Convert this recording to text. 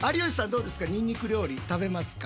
どうですかニンニク料理食べますか？